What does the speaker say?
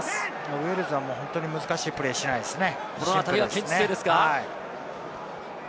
ウェールズは本当にもう難しいプレーはしないですね。